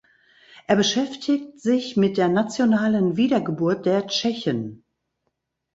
Er beschäftigt sich mit der Nationalen Wiedergeburt der Tschechen.